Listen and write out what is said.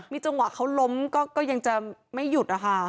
จังหวะเขาล้มก็ยังจะไม่หยุดนะคะ